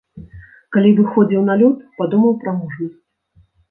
Калі выходзіў на лёд, падумаў пра мужнасць.